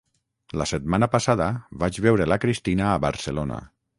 La setmana passada vaig veure la Cristina a Barcelona